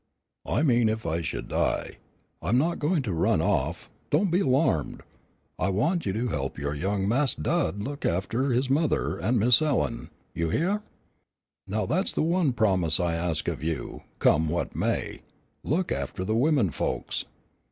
"I mean if I should die I'm not going to run off, don't be alarmed I want you to help your young Mas' Dud look after his mother and Miss Ellen; you hear? Now that's the one promise I ask of you, come what may, look after the women folks."